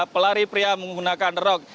pelari pria menggunakan rok